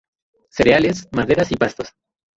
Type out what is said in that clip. Cereales, maderas y pastos.